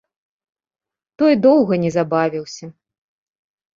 Той доўга не забавіўся.